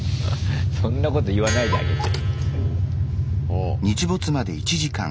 そんなこと言わないであげて。